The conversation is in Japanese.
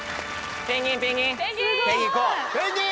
ペンギンペンギン！